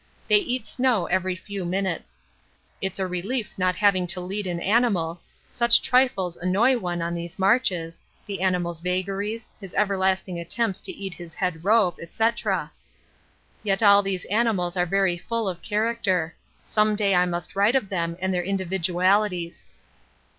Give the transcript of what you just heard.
They eat snow every few minutes. It's a relief not having to lead an animal; such trifles annoy one on these marches, the animal's vagaries, his everlasting attempts to eat his head rope, &c. Yet all these animals are very full of character. Some day I must write of them and their individualities.